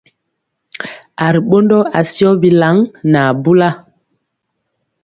A ri ɓondɔ asiyɔ bilaŋ nɛ abula.